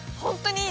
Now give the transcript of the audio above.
◆いい！